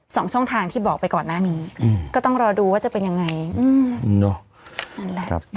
สองช่องทางที่บอกไปก่อนหน้านี้อืมก็ต้องรอดูว่าจะเป็นยังไงอืมเนอะนั่นแหละ